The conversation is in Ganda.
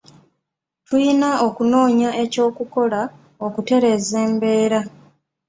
Tuyina okunoonya eky'okukola okutereeza embeera.